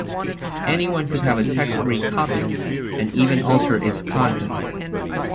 Anyone could have a text recopied, and even alter its contents.